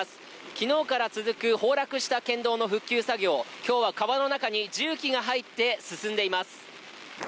昨日から続く崩落した県道の復旧作業、今日は川の中に重機が入って進んでいます。